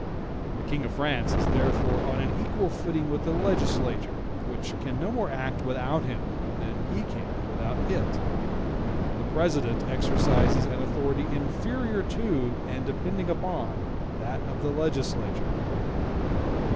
The King of France is therefore on an equal footing with the legislature, which can no more act without him than he can without it. The President exercises an authority inferior to, and depending upon, that of the legislature.